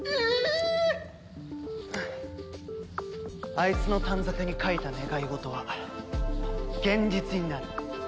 あいつの短冊に書いた願い事は現実になる。